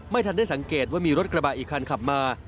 ไม่ทันได้สังเกตว่ามีรถกระบะอีกคันขับมา